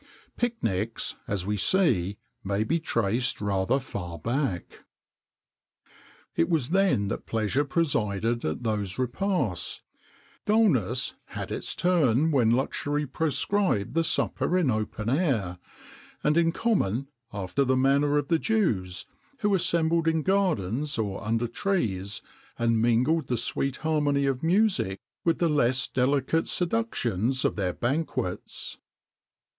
Pic nics, as we see, may be traced rather far back. It was then that pleasure presided at those repasts; dulness had its turn when luxury proscribed the supper in open air, and in common,[XXIX 62] after the manner of the Jews, who assembled in gardens, or under trees,[XXIX 63] and mingled the sweet harmony of music with the less delicate seductions of their banquets.